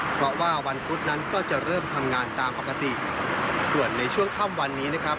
เพราะว่าวันพุธนั้นก็จะเริ่มทำงานตามปกติส่วนในช่วงค่ำวันนี้นะครับ